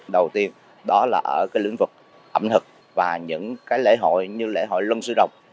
đầu tiên đó là ở cái lĩnh vực ẩm thực và những cái lễ hội như lễ hội luân sư đồng